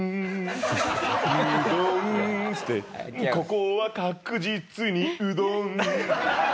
「ここは確実にうどん」